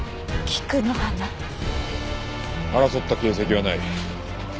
争った形跡はない。